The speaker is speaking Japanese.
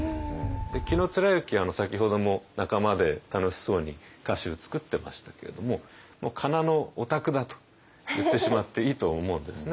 紀貫之先ほども仲間で楽しそうに歌集作ってましたけれどももうかなのオタクだと言ってしまっていいと思うんですね。